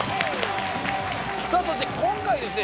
そして今回ですね